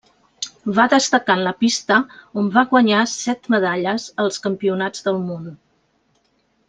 Va destacar en la pista on va guanyar set medalles als Campionats del Món.